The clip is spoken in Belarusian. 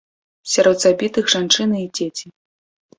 Сярод забітых жанчыны і дзеці.